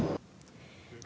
rất bất kỳ